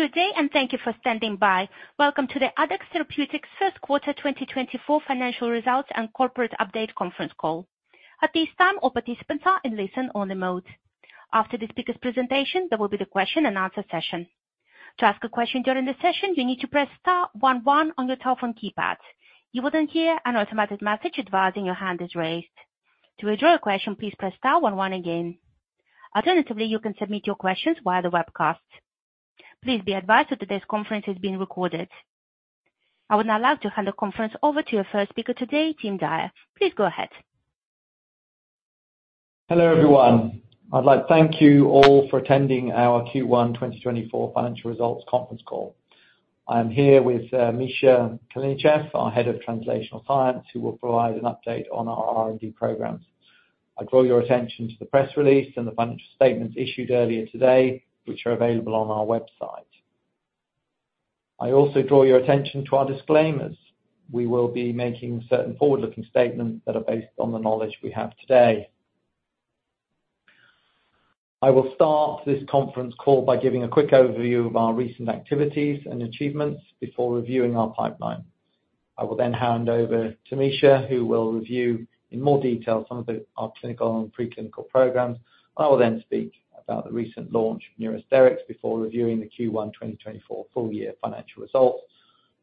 Good day, and thank you for standing by. Welcome to the Addex Therapeutics' First Quarter 2024 Financial Results and Corporate Update Conference Call. At this time, all participants are in listen-only mode. After the speaker's presentation, there will be the question-and-answer session. To ask a question during the session, you need to press star one one on your telephone keypad. You will then hear an automated message advising your hand is raised. To withdraw a question, please press star one one again. Alternatively, you can submit your questions via the webcast. Please be advised that today's conference is being recorded. I would now like to hand the conference over to your first speaker today, Tim Dyer. Please go ahead. Hello, everyone. I'd like to thank you all for attending our Q1 2024 financial results conference call. I am here with Mikhail Kalinichev, our Head of Translational Science, who will provide an update on our R&D programs. I draw your attention to the press release and the financial statements issued earlier today, which are available on our website. I also draw your attention to our disclaimers. We will be making certain forward-looking statements that are based on the knowledge we have today. I will start this conference call by giving a quick overview of our recent activities and achievements before reviewing our pipeline. I will then hand over to Mikhail, who will review in more detail some of our clinical and preclinical programs. I will then speak about the recent launch of Neurosterix before reviewing the Q1 2024 full-year financial results.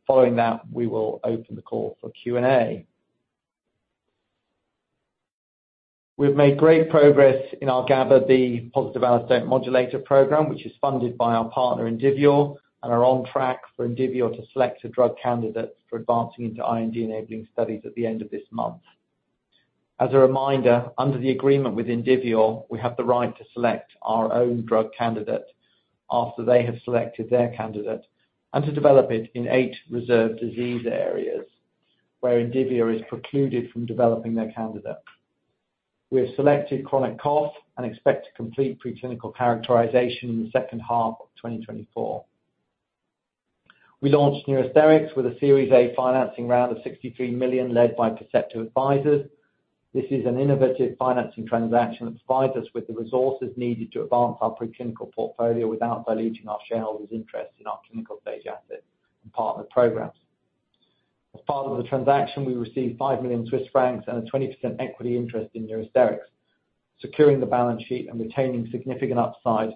Following that, we will open the call for Q&A. We've made great progress in our GABAB PAM program, which is funded by our partner Indivior, and are on track for Indivior to select a drug candidate for advancing into IND-enabling studies at the end of this month. As a reminder, under the agreement with Indivior, we have the right to select our own drug candidate after they have selected their candidate and to develop it in eight reserved disease areas where Indivior is precluded from developing their candidate. We have selected chronic cough and expect to complete preclinical characterization in the second half of 2024. We launched Neurosterix with a Series A financing round of $63 million led by Perceptive Advisors. This is an innovative financing transaction that provides us with the resources needed to advance our preclinical portfolio without diluting our shareholders' interest in our clinical stage assets and partner programs. As part of the transaction, we received 5 million Swiss francs and a 20% equity interest in Neurosterix, securing the balance sheet and retaining significant upside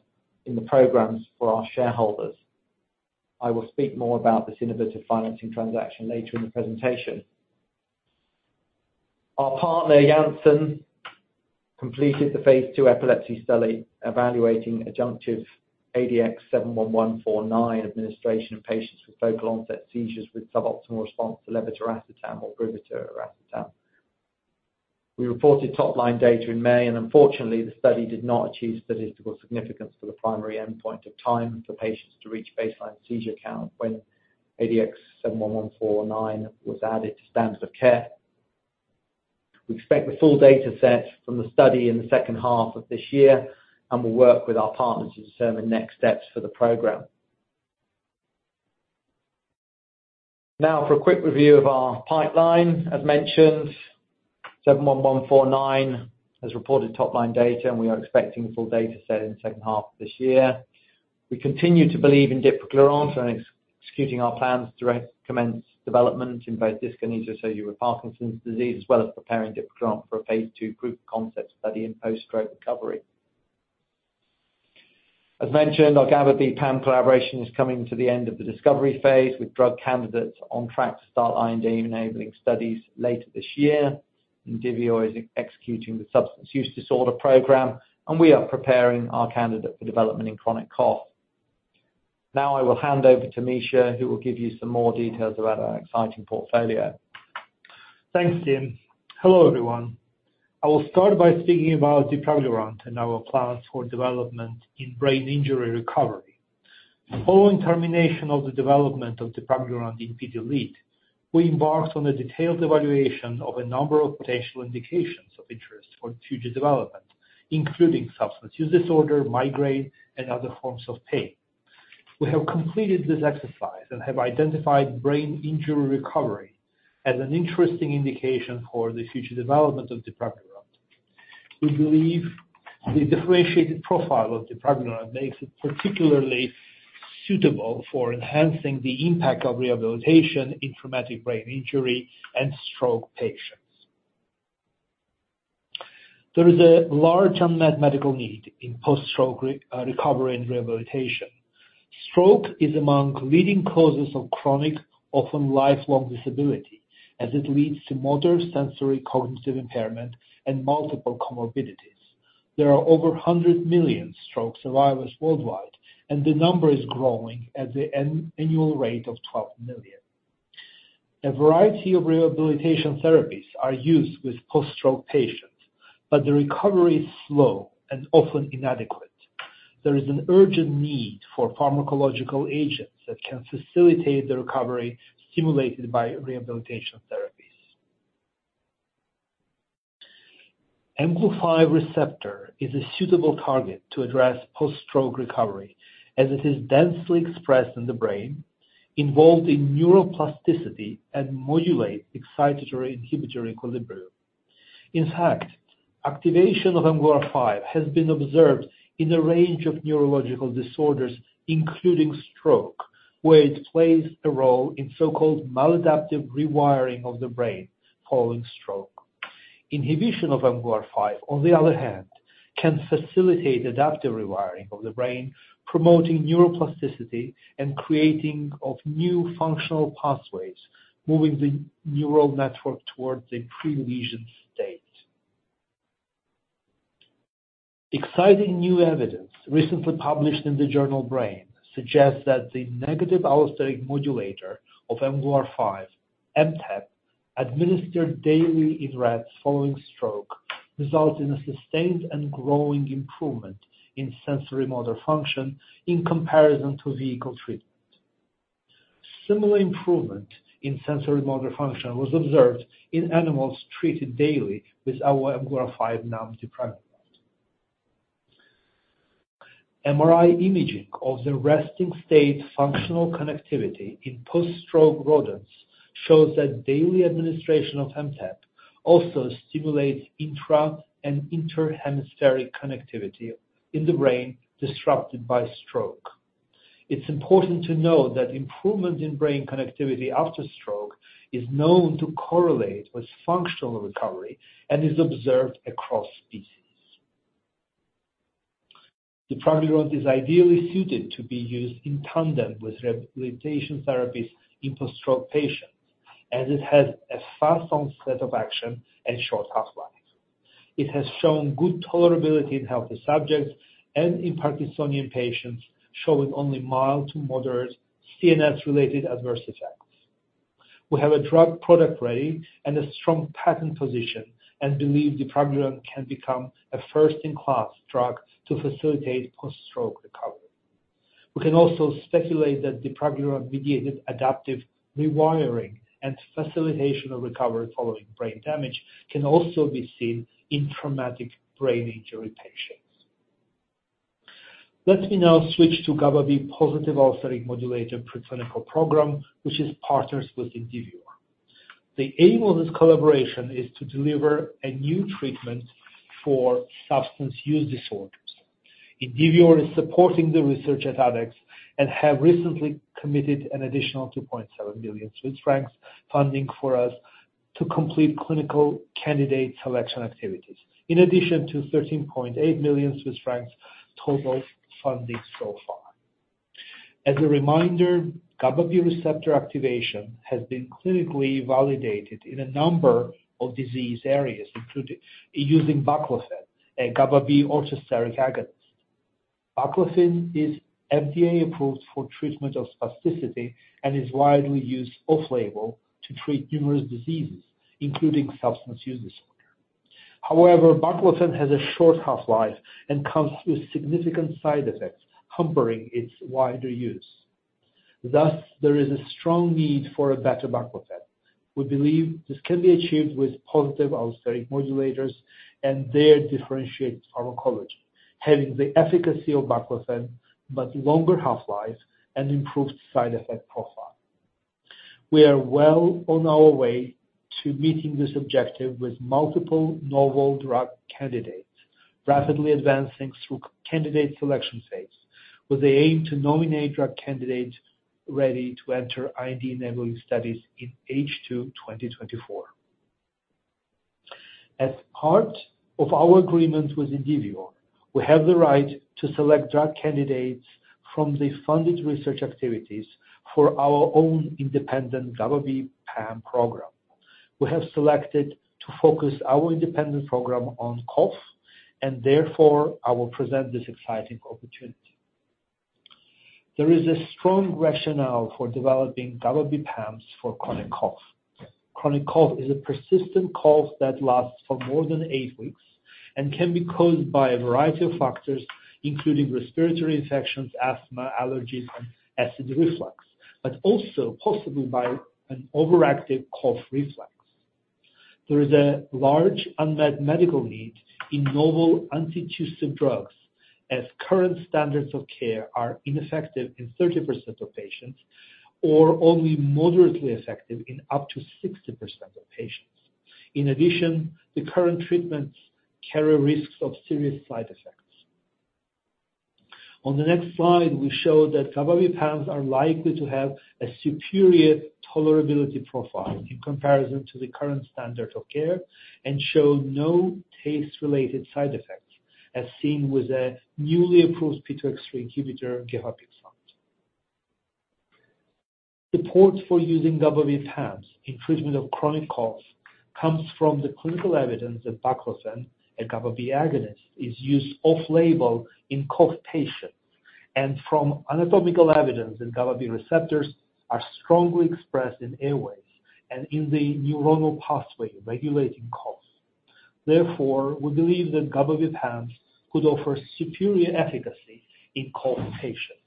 in the programs for our shareholders. I will speak more about this innovative financing transaction later in the presentation. Our partner, Janssen, completed the phase II epilepsy study evaluating adjunctive ADX71149 administration in patients with focal onset seizures with suboptimal response to levetiracetam or brivaracetam. We reported top-line data in May, and unfortunately, the study did not achieve statistical significance for the primary endpoint of time for patients to reach baseline seizure count when ADX71149 was added to standard of care. We expect the full data set from the study in the second half of this year and will work with our partners to determine next steps for the program. Now, for a quick review of our pipeline. As mentioned, 71149 has reported top-line data, and we are expecting the full data set in the second half of this year. We continue to believe in dipraglurant for executing our plans to commence development in both dyskinesia-associated Parkinson's disease as well as preparing dipraglurant for a phase II proof-of-concept study in post-stroke recovery. As mentioned, our GABAB PAM collaboration is coming to the end of the discovery phase with drug candidates on track to start IND-enabling studies later this year. Indivior is executing the substance use disorder program, and we are preparing our candidate for development in chronic cough. Now, I will hand over to Misha, who will give you some more details about our exciting portfolio. Thanks, Tim. Hello, everyone. I will start by speaking about dipraglurant and our plans for development in brain injury recovery. Following termination of the development of dipraglurant in PD-LID, we embarked on a detailed evaluation of a number of potential indications of interest for future development, including substance use disorder, migraine, and other forms of pain. We have completed this exercise and have identified brain injury recovery as an interesting indication for the future development of dipraglurant. We believe the differentiated profile of dipraglurant makes it particularly suitable for enhancing the impact of rehabilitation in traumatic brain injury and stroke patients. There is a large unmet medical need in post-stroke recovery and rehabilitation. Stroke is among leading causes of chronic, often lifelong disability, as it leads to motor sensory cognitive impairment and multiple comorbidities. There are over 100 million stroke survivors worldwide, and the number is growing at an annual rate of 12 million. A variety of rehabilitation therapies are used with post-stroke patients, but the recovery is slow and often inadequate. There is an urgent need for pharmacological agents that can facilitate the recovery stimulated by rehabilitation therapies. mGlu5 receptor is a suitable target to address post-stroke recovery, as it is densely expressed in the brain, involved in neuroplasticity, and modulates excitatory inhibitory equilibrium. In fact, activation of mGlu5 has been observed in a range of neurological disorders, including stroke, where it plays a role in so-called maladaptive rewiring of the brain following stroke. Inhibition of mGlu5, on the other hand, can facilitate adaptive rewiring of the brain, promoting neuroplasticity and creating new functional pathways, moving the neural network towards a pre-lesion state. Exciting new evidence recently published in the journal Brain suggests that the negative allosteric modulator of mGlu5, MTEP, administered daily in rats following stroke results in a sustained and growing improvement in sensorimotor function in comparison to vehicle treatment. Similar improvement in sensorimotor function was observed in animals treated daily with our mGlu5 NAM product. MRI imaging of the resting state functional connectivity in post-stroke rodents shows that daily administration of MTEP also stimulates intra- and interhemispheric connectivity in the brain disrupted by stroke. It's important to note that improvement in brain connectivity after stroke is known to correlate with functional recovery and is observed across species. Dipraglurant is ideally suited to be used in tandem with rehabilitation therapies in post-stroke patients, as it has a fast onset of action and short half-life. It has shown good tolerability in healthy subjects and in Parkinsonian patients, showing only mild to moderate CNS-related adverse effects. We have a drug product ready and a strong patent position and believe dipraglurant can become a first-in-class drug to facilitate post-stroke recovery. We can also speculate that dipraglurant-mediated adaptive rewiring and facilitation of recovery following brain damage can also be seen in traumatic brain injury patients. Let me now switch to GABAB positive allosteric modulator preclinical program, which is partnered with Indivior. The aim of this collaboration is to deliver a new treatment for substance use disorders. Indivior is supporting the research at Addex and has recently committed an additional 2.7 million Swiss francs funding for us to complete clinical candidate selection activities, in addition to 13.8 million Swiss francs total funding so far. As a reminder, GABAB receptor activation has been clinically validated in a number of disease areas, including using baclofen, a GABAB orthosteric agonist. Baclofen is FDA-approved for treatment of spasticity and is widely used off-label to treat numerous diseases, including substance use disorder. However, baclofen has a short half-life and comes with significant side effects, hampering its wider use. Thus, there is a strong need for a better baclofen. We believe this can be achieved with positive allosteric modulators and their differentiated pharmacology, having the efficacy of baclofen but longer half-life and improved side effect profile. We are well on our way to meeting this objective with multiple novel drug candidates, rapidly advancing through candidate selection phase, with the aim to nominate drug candidates ready to enter IND-enabling studies in H2 2024. As part of our agreement with Indivior, we have the right to select drug candidates from the funded research activities for our own independent GABAB PAM program. We have selected to focus our independent program on cough, and therefore I will present this exciting opportunity. There is a strong rationale for developing GABAB PAMs for chronic cough. Chronic cough is a persistent cough that lasts for more than eight weeks and can be caused by a variety of factors, including respiratory infections, asthma, allergies, and acid reflux, but also possibly by an overactive cough reflex. There is a large unmet medical need in novel anti-tussive drugs, as current standards of care are ineffective in 30% of patients or only moderately effective in up to 60% of patients. In addition, the current treatments carry risks of serious side effects. On the next slide, we show that GABAB PAMs are likely to have a superior tolerability profile in comparison to the current standard of care and show no taste-related side effects, as seen with a newly approved P2X3 inhibitor, gefapixant. Support for using GABAB PAMs in treatment of chronic cough comes from the clinical evidence that baclofen, a GABAB agonist, is used off-label in cough patients, and from anatomical evidence that GABAB receptors are strongly expressed in airways and in the neuronal pathway regulating cough. Therefore, we believe that GABAB PAMs could offer superior efficacy in cough patients.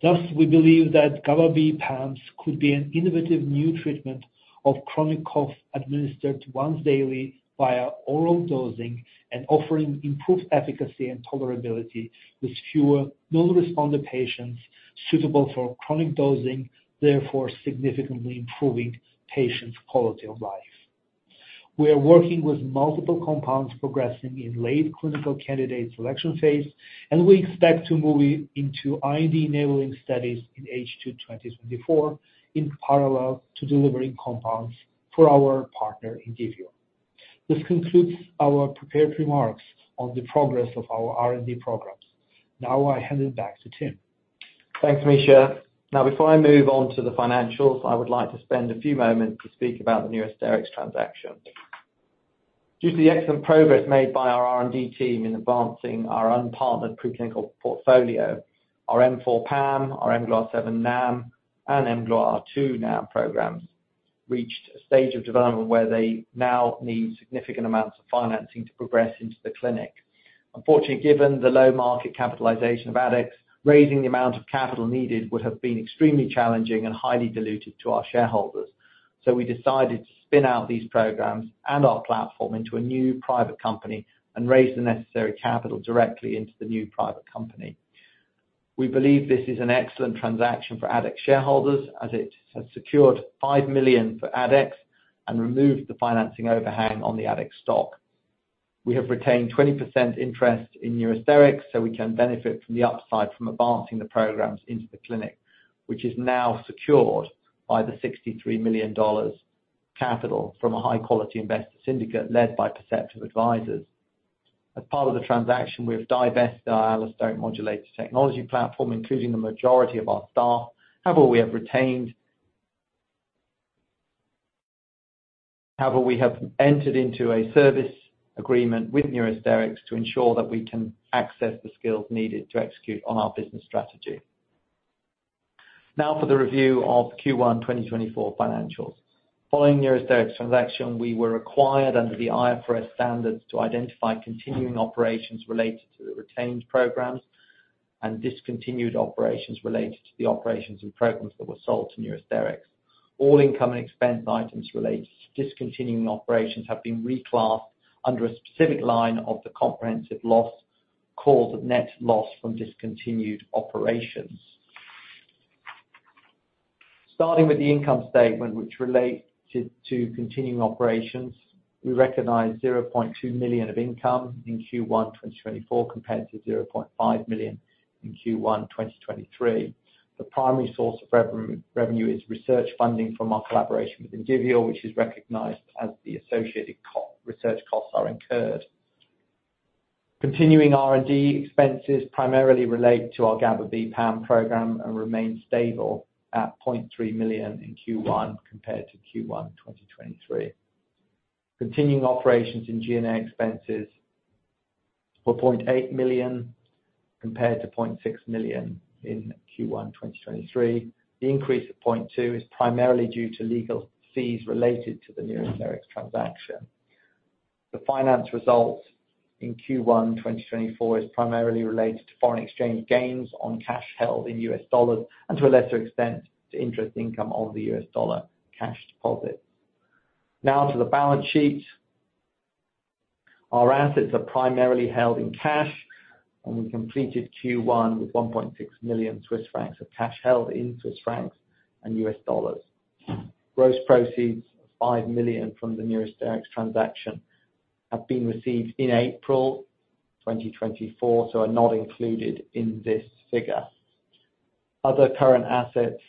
Thus, we believe that GABAB PAMs could be an innovative new treatment of chronic cough administered once daily via oral dosing and offering improved efficacy and tolerability with fewer non-responder patients suitable for chronic dosing, therefore significantly improving patients' quality of life. We are working with multiple compounds progressing in late clinical candidate selection phase, and we expect to move into IND-enabling studies in H2 2024 in parallel to delivering compounds for our partner, Indivior. This concludes our prepared remarks on the progress of our R&D programs. Now, I hand it back to Tim. Thanks, Misha. Now, before I move on to the financials, I would like to spend a few moments to speak about the Neurosterix transaction. Due to the excellent progress made by our R&D team in advancing our own partnered preclinical portfolio, our M4 PAM, our mGlu7 NAM, and mGlu2 NAM programs reached a stage of development where they now need significant amounts of financing to progress into the clinic. Unfortunately, given the low market capitalization of Addex, raising the amount of capital needed would have been extremely challenging and highly diluted to our shareholders. So we decided to spin out these programs and our platform into a new private company and raise the necessary capital directly into the new private company. We believe this is an excellent transaction for Addex shareholders, as it has secured 5 million for Addex and removed the financing overhang on the Addex stock. We have retained 20% interest in Neurosterix, so we can benefit from the upside from advancing the programs into the clinic, which is now secured by the $63 million capital from a high-quality investor syndicate led by Perceptive Advisors. As part of the transaction, we have divested our allosteric modulator technology platform, including the majority of our staff. However, we have entered into a service agreement with Neurosterix to ensure that we can access the skills needed to execute on our business strategy. Now, for the review of Q1 2024 financials. Following Neurosterix transaction, we were required under the IFRS standards to identify continuing operations related to the retained programs and discontinued operations related to the operations and programs that were sold to Neurosterix. All income and expense items related to discontinuing operations have been reclassed under a specific line of the comprehensive loss called net loss from discontinued operations. Starting with the income statement, which related to continuing operations, we recognize 0.2 million of income in Q1 2024 compared to 0.5 million in Q1 2023. The primary source of revenue is research funding from our collaboration with Indivior, which is recognized as the associated research costs are incurred. Continuing R&D expenses primarily relate to our GABAB PAM program and remain stable at 0.3 million in Q1 compared to Q1 2023. Continuing operations in G&A expenses were 0.8 million compared to 0.6 million in Q1 2023. The increase of 0.2 million is primarily due to legal fees related to the Neurosterix transaction. The financial result in Q1 2024 is primarily related to foreign exchange gains on cash held in U.S. dollars and, to a lesser extent, to interest income on the U.S. dollar cash deposits. Now, to the balance sheet. Our assets are primarily held in cash, and we completed Q1 with 1.6 million Swiss francs of cash held in Swiss francs and U.S. dollars. Gross proceeds of 5 million from the Neurosterix transaction have been received in April 2024, so are not included in this figure. Other current assets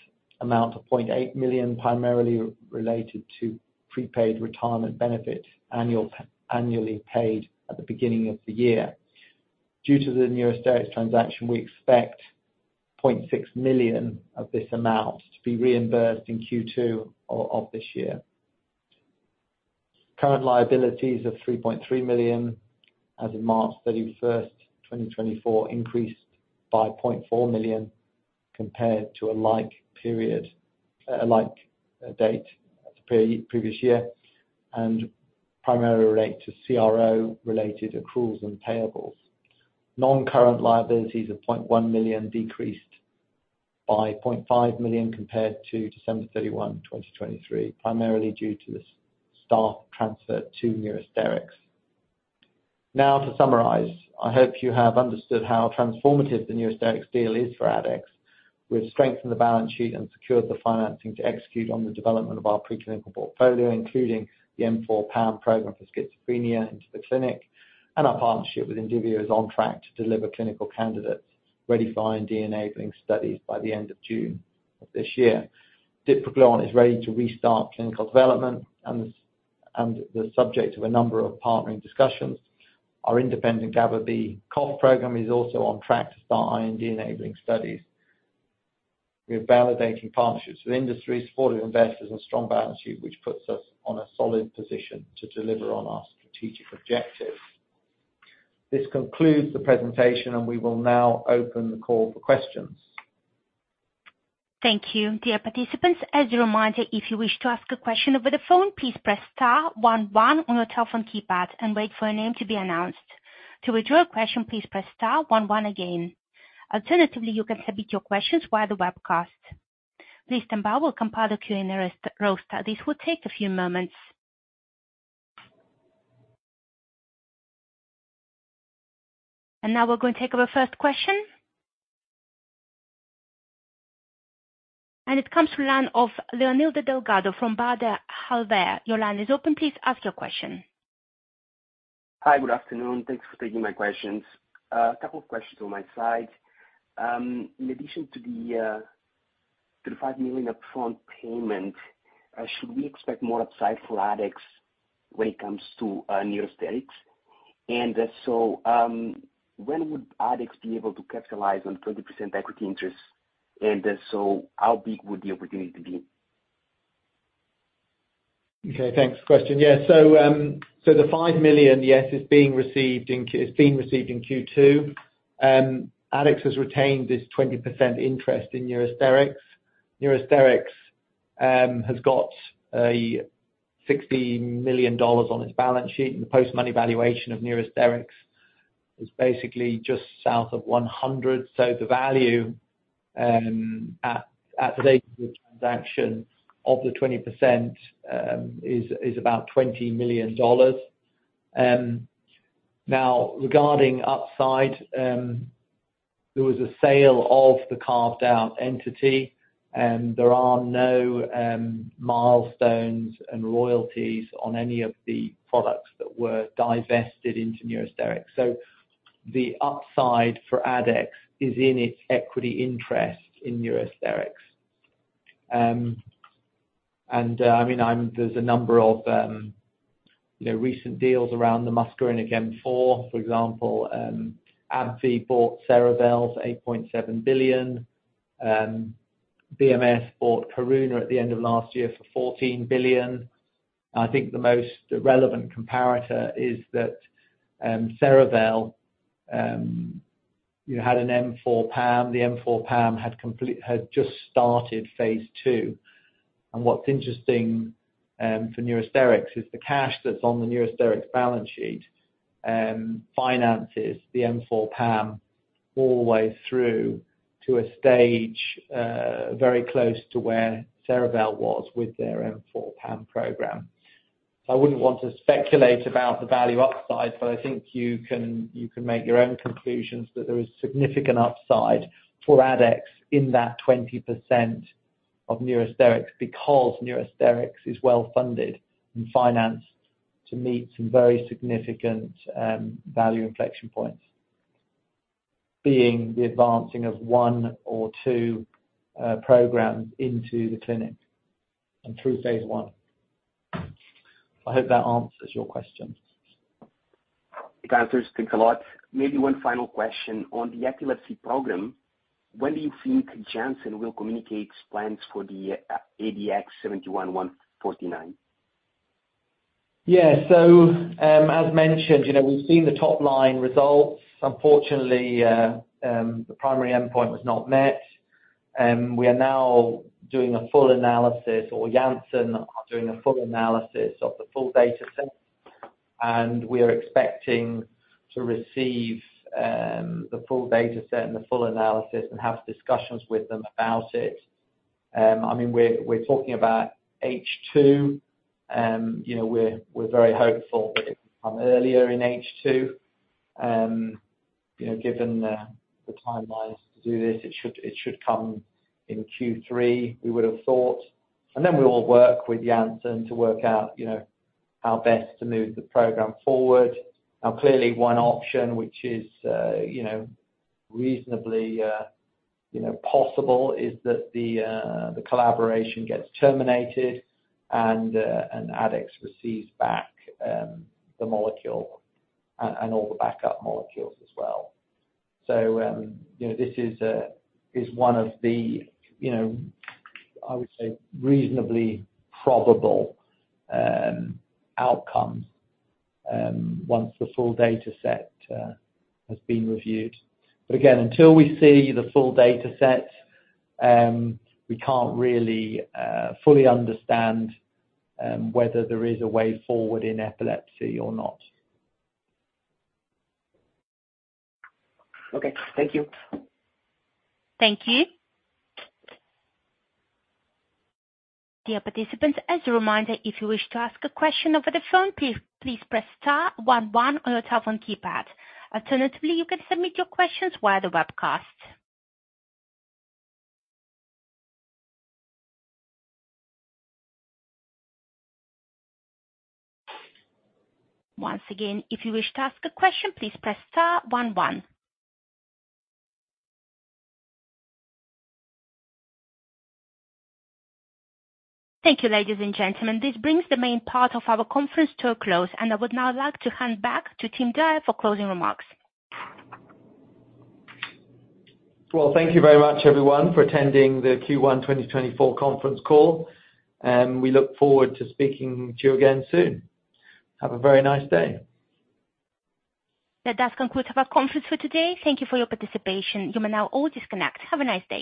amount to 0.8 million, primarily related to prepaid retirement benefits annually paid at the beginning of the year. Due to the Neurosterix transaction, we expect 0.6 million of this amount to be reimbursed in Q2 of this year. Current liabilities of 3.3 million, as of March 31st, 2024, increased by 0.4 million compared to a like date as the previous year and primarily relate to CRO-related accruals and payables. Non-current liabilities of 0.1 million decreased by 0.5 million compared to December 31, 2023, primarily due to the staff transfer to Neurosterix. Now, to summarize, I hope you have understood how transformative the Neurosterix deal is for Addex. We have strengthened the balance sheet and secured the financing to execute on the development of our preclinical portfolio, including the M4 PAM program for schizophrenia into the clinic, and our partnership with Indivior is on track to deliver clinical candidates ready for IND-enabling studies by the end of June of this year. Dipraglurant is ready to restart clinical development and the subject of a number of partnering discussions. Our independent GABAB cough program is also on track to start IND-enabling studies. We are validating partnerships with industry, supportive investors, and a strong balance sheet, which puts us in a solid position to deliver on our strategic objectives. This concludes the presentation, and we will now open the call for questions. Thank you. Dear participants, as a reminder, if you wish to ask a question over the phone, please press star one one on your telephone keypad and wait for your name to be announced. To withdraw a question, please press star one one again. Alternatively, you can submit your questions via the webcast. Please stand by, we'll compile the Q&A roster. This will take a few moments. Now we're going to take our first question. It comes from the line of Leonilda Delgado from Baader Helvea. Your line is open. Please ask your question. Hi, good afternoon. Thanks for taking my questions. A couple of questions on my side. In addition to the 5 million upfront payment, should we expect more upside for Addex when it comes to Neurosterix? And so when would Addex be able to capitalize on 20% equity interest? And so how big would the opportunity be? Okay, thanks. Question. Yeah, so the $5 million, yes, is being received in Q2. Addex has retained this 20% interest in Neurosterix. Neurosterix has got $60 million on its balance sheet, and the post-money valuation of Neurosterix is basically just south of $100 million. So the value at the date of the transaction of the 20% is about $20 million. Now, regarding upside, there was a sale of the carved-out entity, and there are no milestones and royalties on any of the products that were divested into Neurosterix. So the upside for Addex is in its equity interest in Neurosterix. And I mean, there's a number of recent deals around the muscarinic M4, for example. AbbVie bought Cerevel for $8.7 billion. BMS bought Karuna at the end of last year for $14 billion. I think the most relevant comparator is that Cerevel had an M4 PAM. The M4 PAM had just started phase II. And what's interesting for Neurosterix is the cash that's on the Neurosterix balance sheet finances the M4 PAM all the way through to a stage very close to where Cerevel was with their M4 PAM program. So I wouldn't want to speculate about the value upside, but I think you can make your own conclusions that there is significant upside for Addex in that 20% of Neurosterix because Neurosterix is well funded and financed to meet some very significant value inflection points, being the advancing of one or two programs into the clinic and through phase I. I hope that answers your question. It answers things a lot. Maybe one final question on the epilepsy program. When do you think Janssen will communicate its plans for the ADX71149? Yeah, so as mentioned, we've seen the top-line results. Unfortunately, the primary endpoint was not met. We are now doing a full analysis, or Janssen are doing a full analysis of the full data set, and we are expecting to receive the full data set and the full analysis and have discussions with them about it. I mean, we're talking about H2. We're very hopeful that it will come earlier in H2. Given the timelines to do this, it should come in Q3, we would have thought. And then we will work with Janssen to work out how best to move the program forward. Now, clearly, one option, which is reasonably possible, is that the collaboration gets terminated and Addex receives back the molecule and all the backup molecules as well. So this is one of the, I would say, reasonably probable outcomes once the full data set has been reviewed. But again, until we see the full data set, we can't really fully understand whether there is a way forward in epilepsy or not. Okay, thank you. Thank you. Dear participants, as a reminder, if you wish to ask a question over the phone, please press *11 on your telephone keypad. Alternatively, you can submit your questions via the webcast. Once again, if you wish to ask a question, please press *11. Thank you, ladies and gentlemen. This brings the main part of our conference to a close, and I would now like to hand back to Tim Dyer for closing remarks. Well, thank you very much, everyone, for attending the Q1 2024 conference call. We look forward to speaking to you again soon. Have a very nice day. That does conclude our conference for today. Thank you for your participation. You may now all disconnect. Have a nice day.